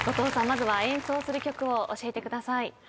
まずは演奏する曲を教えてください。